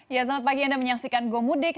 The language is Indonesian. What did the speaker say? ya selamat pagi anda menyaksikan gomudik